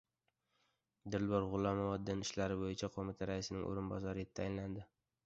Dilbar G‘ulomova Din ishlari bo‘yicha qo‘mita raisining o‘rinbosari etib tayinlandi